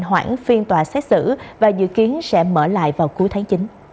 hoãn phiên tòa xét xử và dự kiến sẽ mở lại vào cuối tháng chín